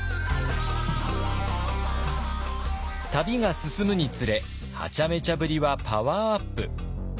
旅が進むにつれはちゃめちゃぶりはパワーアップ。